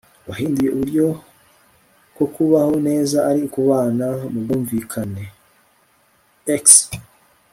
wahinduye uburyo ko kubaho neza ari ukubana mu bwumvikane x